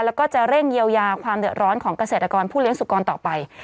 แล้วก็จะเร่งเยียวยาความเดือดร้อนของเกษตรกรผู้เลี้ยสุกรต่อไป